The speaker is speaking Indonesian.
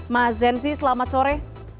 ma zensi selamat sore